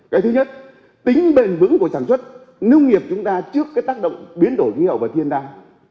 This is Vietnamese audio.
cái thứ nhất tính bền vững của sản xuất nông nghiệp chúng ta trước cái tác động biến đổi khí hậu và thiên tai